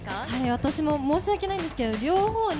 私も申し訳ないんですけど両方に。